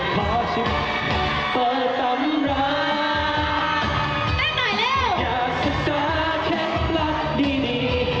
ขอฉันเปิดตำราอย่าศึกษาแค่รักดี